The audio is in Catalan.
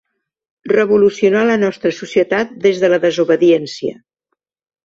Revolucionar la nostra societat des de la desobediència